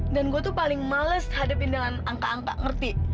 dan gue tuh paling males hadapin dengan angka angka ngerti